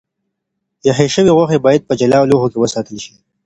پخې شوې غوښې باید په جلا لوښو کې وساتل شي.